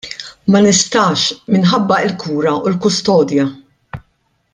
Ma nistax minħabba l-kura u l-kustodja.